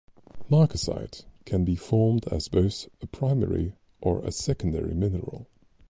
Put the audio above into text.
Marcasite can be formed as both a primary or a secondary mineral.